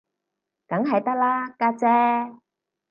梗係得啦，家姐